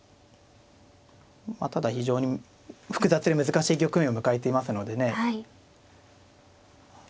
まあただ非常に複雑で難しい局面を迎えていますのでね。